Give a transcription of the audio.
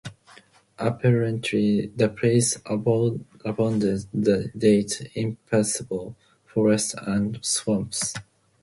Apparently, the place abounded data impassable forests and swamps.